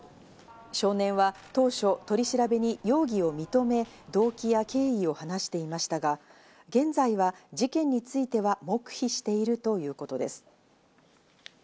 少年は当初、取り調べに容疑を認め、動機や経緯を話していましたが、現在は事件については黙秘しているということです。